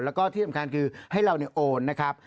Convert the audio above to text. แล้วก็ที่สำคัญคือให้เราโอนนะครับ